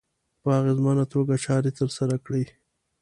په اغېزمنه توګه چارې ترسره کړي.